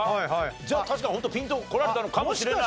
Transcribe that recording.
じゃあ確かにホントピンとこられたのかもしれない。